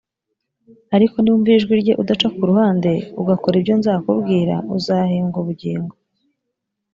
ariko niwumvira ijwi rye udaca ku ruhande ugakora ibyo nzakubwira, uzahembwa ubugingo